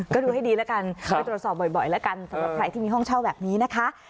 ก็ดูให้ดีแล้วกันไปตรวจสอบบ่อยแล้วกันสำหรับใครที่มีห้องเช่าแบบนี้นะคะ